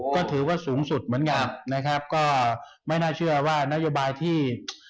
นี่แหละฮะคนบริการเข้าไปแบบนี้